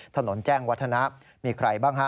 ถนนแจ้งวัฒนะมีใครบ้างฮะ